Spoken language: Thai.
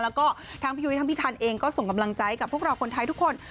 แล้วก็ทั้งพี่ยุ้ยทั้งพี่ทันเองก็ส่งกำลังใจกับพวกเราคนไทยทุกคน